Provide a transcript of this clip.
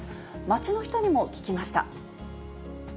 街の人にも聞きました。